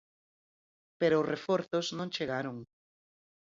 Pero os reforzos non chegaron.